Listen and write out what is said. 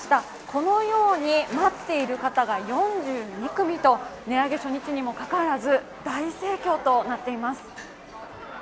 このように待っている方が４２組と値上げ初日にもかかわらず大盛況となっています。